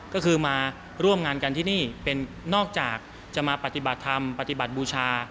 ก็คือมาร่วมงานกันที่นี่เป็นนอกจากจะมาปฏิบัติธรรมปฏิบัติบูชา